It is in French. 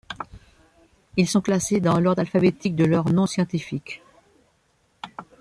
Ils sont classés dans l'ordre alphabétique de leurs noms scientifiques.